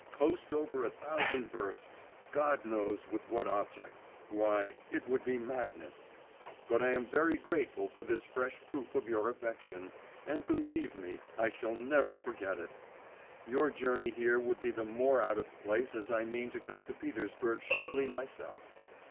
Post over a thousand versts, God knows with what object why, it would be madness! But I am very grateful for this fresh proof of your affection, and believe me, I shall never forget it. Your journey here would be the more out of place as I mean to come to Petersburg shortly myself.